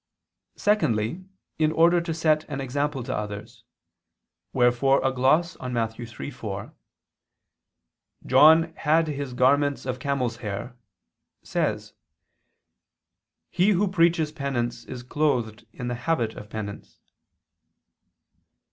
Secondly, in order to set an example to others; wherefore a gloss on Matt. 3:4, "(John) had his garments of camel's hair," says: "He who preaches penance is clothed in the habit of penance."